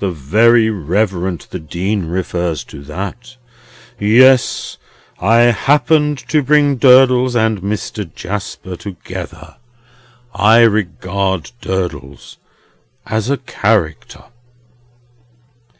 The Very Reverend the Dean refers to that? Yes. I happened to bring Durdles and Mr. Jasper together. I regard Durdles as a Character."